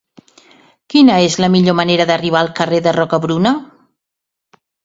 Quina és la millor manera d'arribar al carrer de Rocabruna?